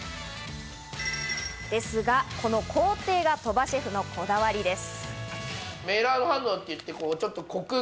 ですが、この工程が鳥羽シェフのこだわりです。